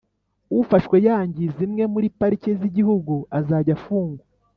Ufashwe yangiza imwe muri Pariki z’Igihugu azajya afungwa